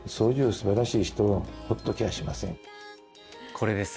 これです。